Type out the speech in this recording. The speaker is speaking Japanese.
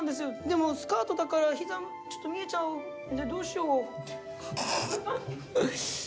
でもスカートだから膝ちょっと見えちゃうんでどうしよう。